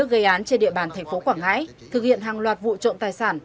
gây án trên địa bàn thành phố quảng ngãi thực hiện hàng loạt vụ trộm tài sản